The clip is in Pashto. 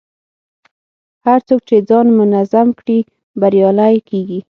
هر څوک چې ځان منظم کړي، بریالی کېږي.